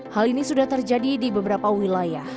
hal ini sudah terjadi di beberapa wilayah